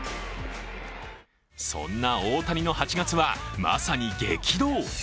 そんな大谷の８月はまさに激動。